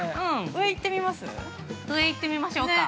◆上行ってみましょうか。